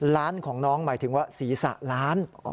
ร้านของน้องหมายถึงว่าศีรษะล้าน